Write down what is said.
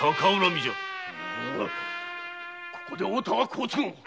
ここで会うたは好都合。